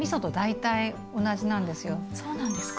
そうなんですか。